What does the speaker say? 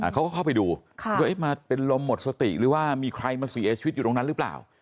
เขาก็เข้าไปดูว่ามาเป็นลมหมดสติหรือว่ามีใครมาเสียชีวิตอยู่ตรงนั้นหรือเปล่า